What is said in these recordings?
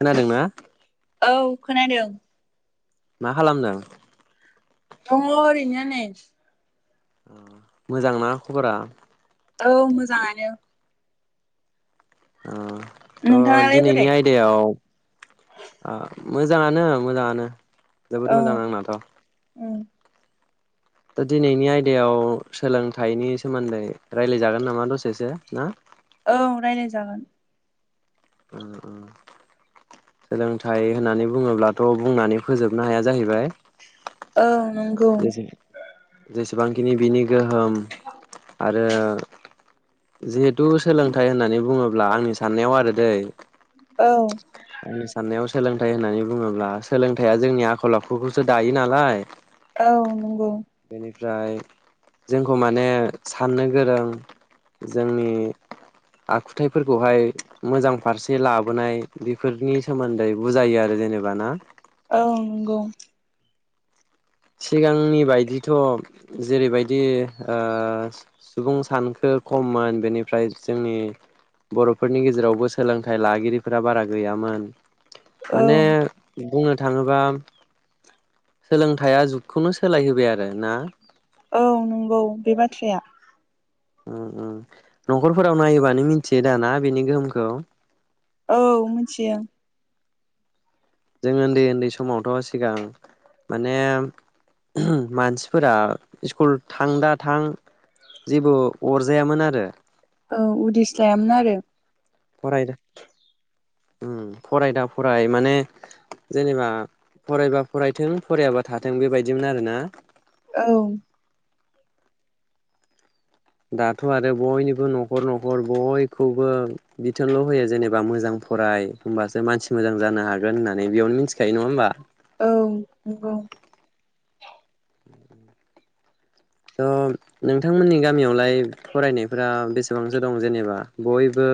खोनादोंना औ खोनादों मा खालामदों दङ ओरैनो नै मोजां ना खबरा औ मोजाङानो ओ थ नोंथाङालाय बोरै? दिनैनि आयदायाव मोजाङानो मोजाङानो जोबोद औ मोजां आंनाथ उम दा दिनैनि आयदायाव सोलोंथाइनि सोमोन्दै राय्लायजागोन नामा दसेसो ना औ राय्लायजागोन उम उम सोलोंथाइ होननानै बुङोब्ला थ बुंनानै फोजोबनो हाया जाहैबाय औ नंगौ ज [unintelligible] से जसे गोबांखिनि बिनि गोहोम आरो जिहेथु सोलोंथाइ होननानै बुङोब्ला आंनि साननायाव आरो दै औ आंनि साननायाव सोलोंथाइ होननानै बुङोब्ला सोलोंथाया जोंनि आखल आखुखौसो दायो नालाय औ नंगौ बेनिफ्राय जोंखौ माने साननो गोरो जोंनि आखुथायफोरखौहाय मोजां फारसे लाबोनाय बेफोरनि सोमोन्दै बुजायो आरो जेनेबा ना औ नंगौ सिगांनि बायदिथ जेरैबायदि ओ सुबुं सानखो खममोन बेनिफ्राय जोंनि बर'फोरनि गेजेरावबो सोलोंथाइ लागिरिफोरा बारा गैयामोन औ माने बुंनो थाङोबा सोलोंथाय या जुगखौनो सोलायहोबाय आरो ना औ नंगौ बे बाथ्राया नखरफोराव नायोबानो मिथियो दाना बेनि गोहोमखौ औ मिथियो जों उन्दै उन्दै समावथ सिगां माने मानसिफोरा स्कुल थां दा थां जेबो अरजायामोन आरो औ उदिस लायामोन आरो फरायदा फरायदा फराय माने जेनेबा फरायबा फरायथों फरायाबा थाथों बेबायदिमोन आरोना औ दाथ आरो बयनिबो नखर नखर बयखौबो बिथोनल होयो जेनेबा मोजां फराय होनबासो मानसि मोजां जानो हागोन होननानै बेयावनो मिथिखायो नङा होमबा औ नंगौ थ नोंथांमोननि गामियावलाय फरायनायफोरा बेसेबांसो दं जेनेबा बयबो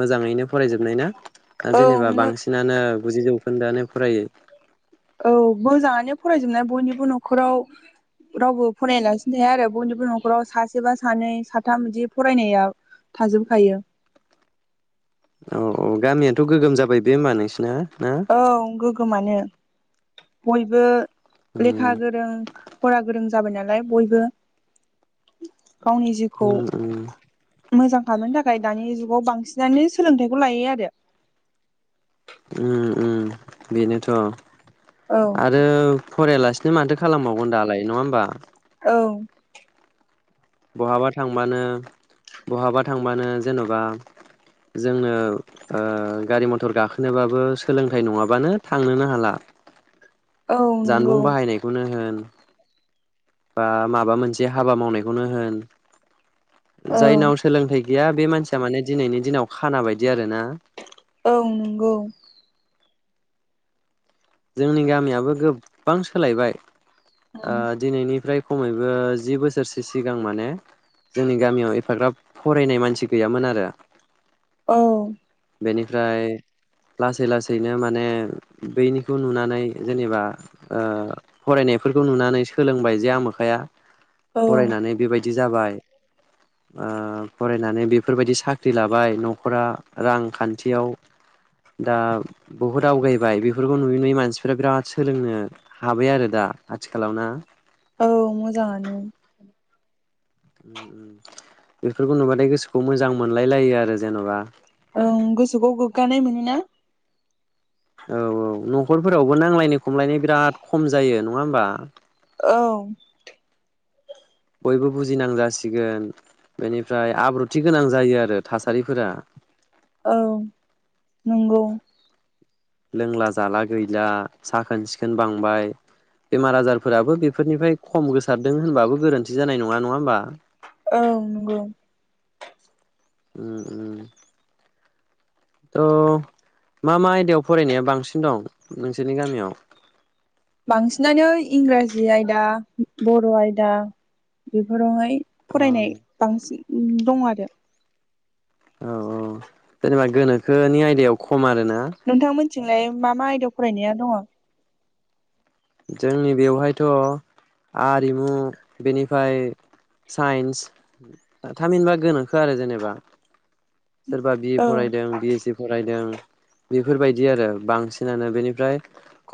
मोजाङैनो फरायजोबनाय ना दा औ जेनेबा मो बांसिनानो बुजिजोबखोन [unintelligible] दानो फरायो औ मोजाङानो फरायजोबनाय बयनिबो नखराव रावबो फरायलासिनो थाया आरो बयनिबो नखराव सासे बा सानै साथाम बिदि फरायनाया थाजोबखायो औ औ गामियाथ गोगोम जाबाय बे होमबा नोंसिना ना औ गोग्गोमानो बयबो उम लेखा गोरों फरा गोरों जाबाय नालाय बयबो गावनि जिउखौ उम उम मोजां खालामनो थाखाय दानि जुगाव बांसिनानो सोलोंथायाइखौ लायो आरो उम उम बेनोथ आरो फरायलासिनो माथो खालामबावगोन दालाय नङा होमबा औ बहाबा थांबानो बहाबा थांबानो जेनबा जोंनो ओ गारि मथर गाखोनोबाबो सोलोंथाइ नङाबानो थांनोनो हाला औ जानबुं नंगौ बाहायनायखौनो होन बा माबा मोनसे हाबा मावनायखौनो होन औ जायनाव सोलोंथाइ गैया बे मानसिया माने दिनैनि दिनाव खाना बायदि आरो ना औ नंगौ जोंनि गामियाबो गोबां सोलायबाय औ ओ दिनैनिफ्राय खमैबो जि बोसोरसो सिगां माने जोंनि गामियाव एफाग्राब फरायनाय मानसि गैयामोन आरो औ बेनिफ्राय लासै लासैनो माने बैनिखौ नुनानै जेनेबा ओ फरायनायफोरखौ नुनानै सोलोंबाय जे आमोखाया औ फरायनानै बेबायदि बिदि जाबाय ओ फरायनानै बेफोरबायदि साख्रि लाबाय नखरा रांखान्थियाव दा बहुद आवगायबाय बेफोरखौ नुयै नुयै मानसिफोरा बिराद सोलोंनो हाबाय आरो दा आथिखालाव ना औ मोजाङानो बेफोरखौ नुबाथाय गोसोखौ मोजां मोनलायलायो आरो जेन'बा ओं गोसोखौ गोग्गानाय मोनो ना? औ औ नखरफोरावबो नांलायनाय खमलायनाय बिराद खम जायो नङा होमबा औ बयबो बुजिनां जासिगोन बेनिफ्राय आब्रुथि गोनां जायो आरो थासारिफोरा औ नंगौ लोंला जाला गैला साखोन सिखोन बांबाय बेमार आजारफोराबो बेफोरनिफ्राय खम गोसारदों होनबाबो गोरोन्थि जानाय नङा नङा होमबा औ नंगौ उम उम थ' मा मा आयदायाव फरायनाया बांसिन दं नोंसोरनि गामियाव बांसिनानो इंराजि आयदा बर' आयदा बेफोरावहाय औ फरायनाय बांसिन दं आरो औ औ जेनेबा गोनोखोनि आयदायाव खम आरोना। नोंथांमोनथिंलाय मा मा आयदायाव फरायनाया दङ? जोंनि बेवहायथ' आरिमु बेनिफ्राय साइन्स थामहिनबा गोनोखो आरो जेनेबा। सोरबा बिए औ फरायदों बि एस सि फरायदों। बेफोरबायदि आरो बांसिनानो बेनिफ्राय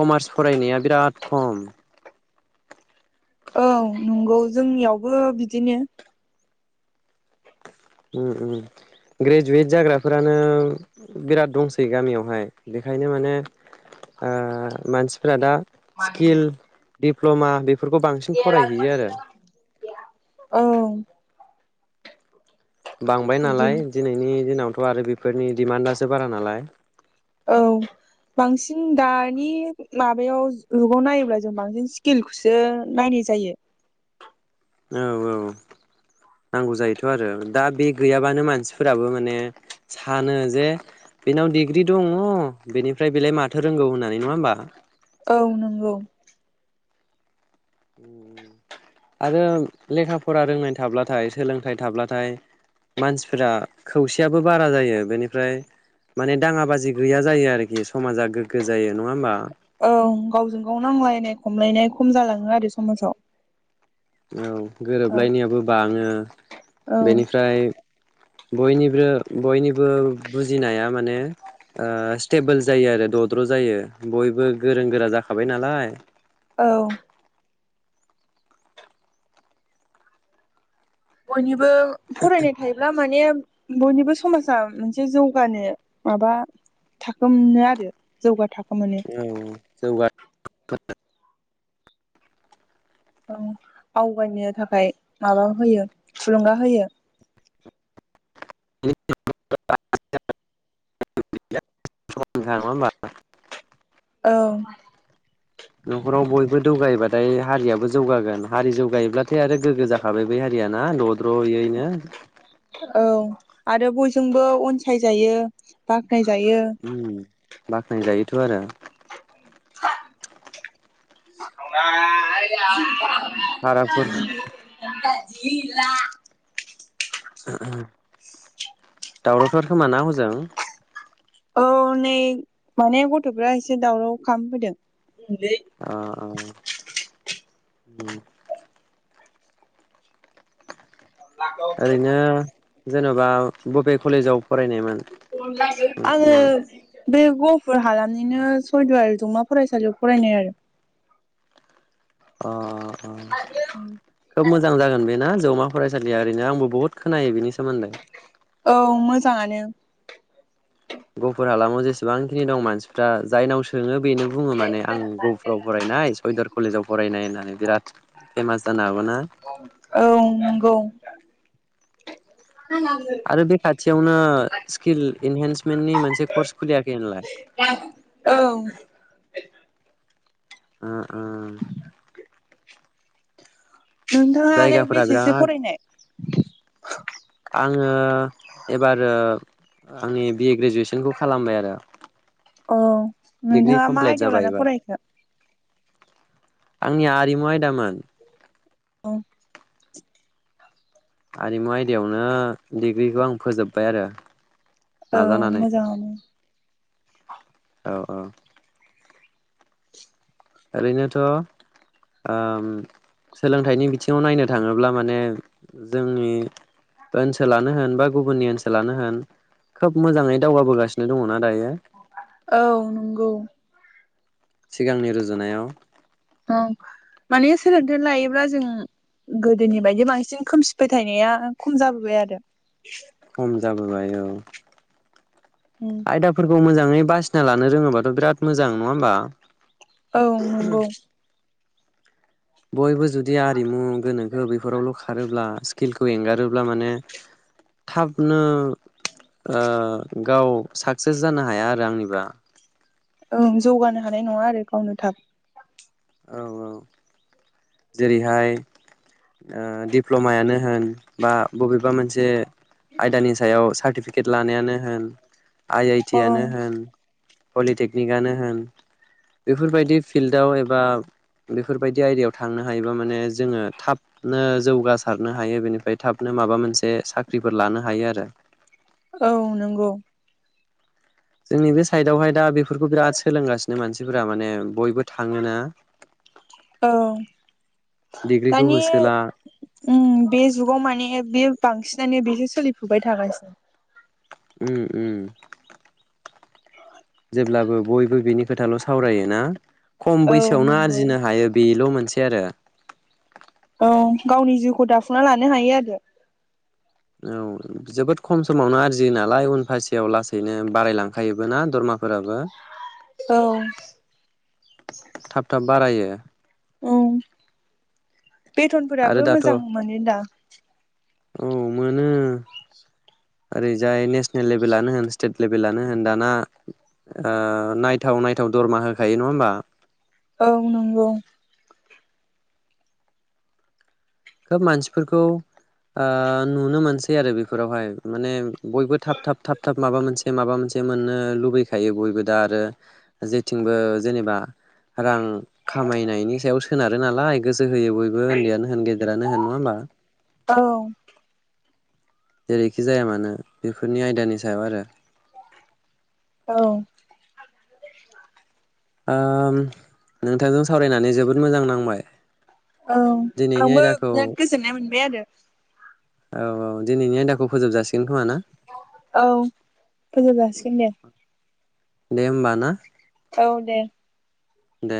कमार्स फरायनाया बिराद खम। औ नंगौ जोंनियावबो बिदिनो उम उम ग्रेजुवेट जाग्राफोरानो बिराद दंसै गामियावहाय बेखायनो माने ओ मानसिफोरा दा स्किल दिडप्ल'मा बेफो [unintelligible] ओं बांबाय नालाय बिदिनो दिनैनि दिनावथ' आरो बेफोरनि डिमान्डासो बारा नालाय। औ बांसिन दानि माबायाव जुगाव नायोब्ला जों बांसिन स्किलखौसो नायनाय जायो। औ औ नांगौ जायोथ' आरो दा बे गैयाबानो मानसिफोराबो माने सानो जे बेनाव डिग्रि दङ बेनिफ्राय बेलाय माथो रोंगौ होननानै नङा होमबा? औ नंगौ। आरो लेखा फरा रोंनाय थाब्लाथाय सोलोंथाइ थाब्लाथाय मानसिफोरा खौसेयाबो बारा जायो बेनिफ्राय माने दाङा बाजि गैया जायो आरोखि समाजा गोग्गो जायो नङा होमबा? औ गावजों गाव नांलायनाय खमलायनाय खम जालाङो आरो समाजाव। औ। ओ गोरोबलायनायाबो बाङो। औ [inaudible] बेनिफ्राय बयनिब्रो बयनि बो बुजिनाया माने ओ स्टेबोल जायो आरो दद्र' जायो बयबो गोरों गोरा जाखाबाय नालाय। औ बयनिब बो फरायनाय थायोब्ला माने बयनिबो समाजा मोनसे जौगानो माबा थाखोमनो आरो जौगा थाख औ जौगा [inaudible] [inaudible] औ आवगायनो थाखाय माबा होयो थुलुंगा होयो। [inaudible] नङा होनबा? औ न'खराव बयबो दौगायोबाथाय हारियाबो जौगागोन हारि जौगायोब्लाथाय आरो गोग्गो जाखाबाय बै हारियाना द द्र'यैनो। औ आरो बयजोंबो अनसायजायो बा नायजायो। बाख्नाय जायोथ' आरो। [unintelligible] भाराफोर [inaudible] [unintelligible] दावरावथार खोमाना हजों औ नै माने गथ'फ्रा एसे दावराव खालाम फैदों। आ आ उम ओरैनो जेन' बा बबे कलेजाव फरायनायमोन आङो नों बे गहपुर हालामनिनो सयदुवार जौमा फरायसालियाव फरायनाय आरो। अ आ खोब मोजां जागोन बेना जौमा फरायसालिया ओरैनो आंबो बहुत खोनायो बिनि सोमोन्दै औ मोजाङानो गुफुर हालामाव जेसेबांखिनि दं मानसिफ्रा जायनाव सोङो बेनो बुङो माने आं गहफुराव फरायनाय सयदुर कलेजाव फरायनाय होननानै बिराद फेमाज जानो हाग औ नोंगौ। आरो बे खाथियावनो स्किल इनहेन्समेन्टनि मोनसे कर्स खुलियाखै होनलाय? औ उम उम नोंथाङालाय जायगाफोरा बेसेसो बिराद फरायनाय? [inaudible] आङो एबार आंनि बिए ग्रेजुवेसनखौ खालामबाय आरो। अ डिग्रि नोंथाङा मा कमप्लिट आयदायाव जाबाय लाना एबार फरायखो? आंनिया आरिमु आयदामोन औ आरिमु आयदायावनो डिग्रिखौ आं फोजोबबाय आरो औ नाजानानै मोजाङानो औ औ ओरैनोथ' ओ सोलोंथाइनि बिथिङाव नायनो थाङोब्ला माने जोंनि ओनसोलानो होन बा गुबुननि ओनसोलानो होन खोब मोजाङै दावगाबोगासिनो दङना दायो औ नंगौ सिगांनि रुजुनायाव औ माने सोलोंथाइ लायोब्ला जों गोदोनि बायदि बांसिन खोमसि फोथायनाया खम जाबोबाय आरो [unintelligible] उम आयदाफोरखौ मोजां ङै बासिना लानो रोङोबाथ' बिराद मोजां नङा होमबा औ नंगौ बयबो जुदि आरिमु गोनोखो बेफोरावल' खारोब्ला फिलखौ एंगारोब्ला माने थाबनो ओ गाव साक्सेस जानो हाया आरो आंनिबा ओं जौगानो हानाय नङा आरो गावनो थाब औ औ जेरैहाय ओ दिप्ल'मायानो होन बा बबेबा मोनसे आयदानि सायाव सा टिफिकेट लानायानो होन आइ आइ टि औ आनो होन पलिटेकनिकआनो होन बेफोरबायदि फिल्डआव एबा बेफोरबायदि आयदायाव थांनो हायोबा माने जोङो थाबनो जौगासारनो हायो बेनिफाय थाबनो माबा मोनसे साख्रिफोर लानो हायो आरो औ नोंगौ जोंनि बे साइदावहाय दा बेफोरखौ बिराद सोलोंगासिनो मानसिफोरा माने बयबो थाङोना औ डिग्रिखौ दानि होसोला उम बे जुगाव माने बेयो बांसिनानो बेसो सोलिफुबाय थागासिनो उम उम जेब्लाबो बयबो बिनि खोथाल' सावरायो ना? खम औ बैसोआवनो नंगौ आरजिनो हायो बिल'मोन से आरो ओं गावनि जिउखौ दाफुंना लानो हायो आरो औ जोबोद खम समावनो आरजियो नालाय उन फासेयाव लासैनो बारायलांखायोबो ना दरमाफोराबो औ थाब थाब बारायो ओ औ आरो बेथनफोराबो दाथ' मोजां मोनो दा [inaudible] औ मोनो ओरैजाय नेसनेल लेभेलानो होन स्टेट लेभेलानो होन दाना ओ नायथाव नायथाव दरमा होखायो नङा होमबा औ नंगौ खोब मानसिफोरखौ ओ नुनो मोनसै आरो बेफोरावहाय माने बयबो थाब थाब थाब थाब माबा मोनसे माबा मोनसे मोननो लुबैखायो बयबो दा आरो जेथिंबो जेनेबा रां खामायनायनि सायाव सोनारो नालाय गोसो होयो बयबो उन्दैयानो होन गे देरानो होन नङा होमबा औ जेरैखि जाया मानो बेफोरनि आयदानि सायाव आरो औ ओम नोंथांजों सावरायनानै जोबोद मोजां नांबाय दिनैनि आंलबो आयदाखौ बिराद गोजोननाय मोनबाय आरो औ औ दिनैनि आयदाखौ फोजोबजासि औ फोजोब जाासिगोन दे दे होमबा ना औ दे दे